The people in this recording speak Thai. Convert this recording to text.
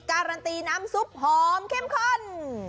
การันตีน้ำซุปหอมเข้มข้น